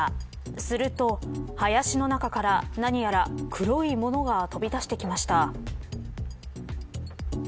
すると、林の中から何やら黒いものが飛び出してきました。